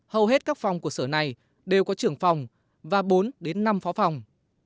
hầu hết các phòng của sở này đều có trưởng phòng và bốn đến năm phó phòng